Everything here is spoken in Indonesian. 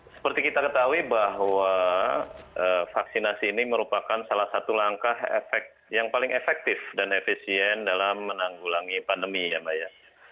seperti kita ketahui bahwa vaksinasi ini merupakan salah satu langkah efek yang paling efektif dan efisien dalam menanggulangi pandemi ya mbak ya